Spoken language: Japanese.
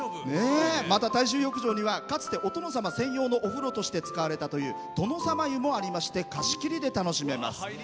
大衆浴場にはかつてお殿様専用のお湯として使われたという「殿様湯」もありまして貸し切りでつかれます。